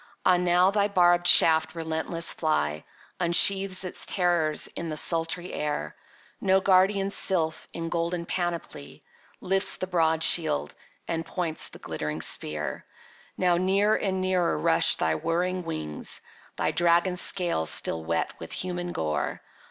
—Ah now thy barbed shaft, relentless fly, Unsheaths its terrors in the sultry air! No guardian sylph, in golden panoply, Lifts the broad shield, and points the glittering spear. Now near and nearer rush thy whirring wings, Thy dragon scales still wet with human gore.